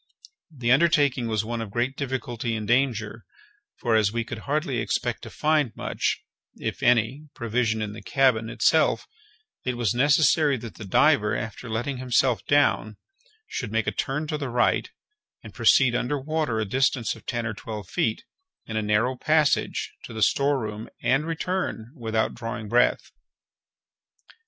The undertaking was one of great difficulty and danger; for, as we could hardly expect to find much, if any, provision in the cabin itself, it was necessary that the diver, after letting himself down, should make a turn to the right, and proceed under water a distance of ten or twelve feet, in a narrow passage, to the storeroom, and return, without drawing breath.